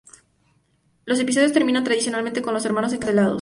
Los episodios terminan tradicionalmente con los hermanos encarcelados.